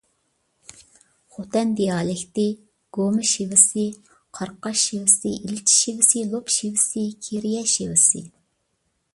خوتەن دىئالېكتى: گۇما شېۋىسى، قاراقاش شېۋىسى، ئىلچى شېۋىسى، لوپ شېۋىسى، كىرىيە شېۋىسى.